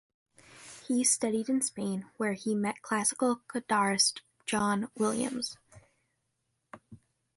He studied in Spain, where he met classical guitarist John Williams.